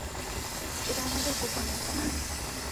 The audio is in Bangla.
এটা আমাদের গোপনীয়তা।